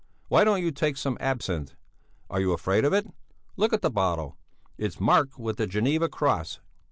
Why don't you take some absinth? Are you afraid of it? Look at the bottle! It's marked with the Geneva cross!